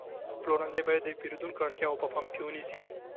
پلورنځی باید د پیرودونکو اړتیاوې په پام کې ونیسي.